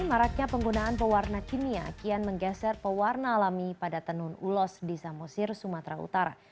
maraknya penggunaan pewarna kimia kian menggeser pewarna alami pada tenun ulos di samosir sumatera utara